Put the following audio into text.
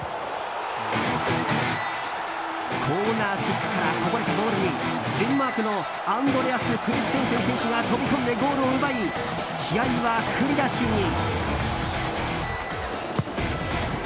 コーナーキックからこぼれたボールにデンマークのアンドレアス・クリステンセン選手が飛び込んでゴールを奪い試合は振り出しに。